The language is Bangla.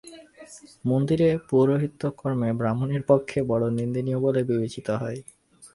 মন্দিরে পৌরোহিত্য-কর্ম ব্রাহ্মণের পক্ষে বড় নিন্দনীয় বলিয়া বিবেচিত হয়।